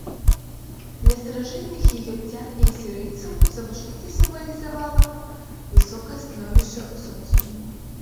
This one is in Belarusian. Для старажытных егіпцян і асірыйцаў завушніца сімвалізавала высокае становішча ў соцыуме.